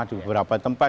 di beberapa tempat